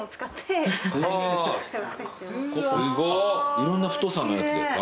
いろんな太さのやつでか？